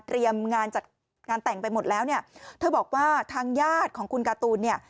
เตรียมงานจากงานแต่งไปหมดแล้วเธอบอกว่าทางญาติของคุณกระตูน